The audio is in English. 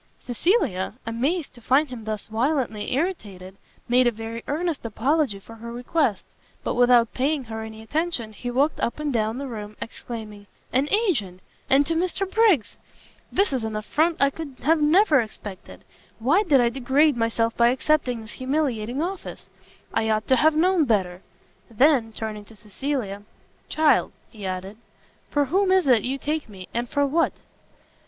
Cecilia, amazed to find him thus violently irritated, made a very earnest apology for her request; but without paying her any attention, he walked up and down the room, exclaiming, "an agent! and to Mr Briggs! This is an affront I could never have expected! why did I degrade myself by accepting this humiliating office? I ought to have known better!" Then, turning to Cecilia, "Child," he added, "for whom is it you take me, and for what?"